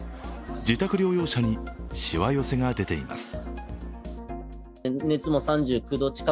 自宅療養者にしわ寄せが出ています。